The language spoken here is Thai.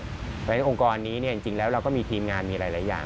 เพราะฉะนั้นองค์กรนี้จริงแล้วเราก็มีทีมงานมีหลายอย่าง